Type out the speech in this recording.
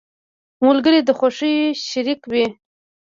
ملګري د خوښیو شريک وي.